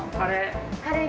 カレー。